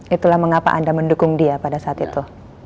itulah mengapa anda mendukung dia pada saat itu